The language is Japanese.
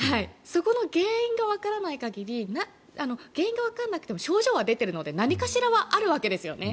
そこの原因がわからない限り原因がわからなくても症状は出ているので何かしらはあるわけですね。